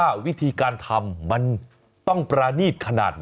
วิธีการทำมันต้องประณีตขนาดไหน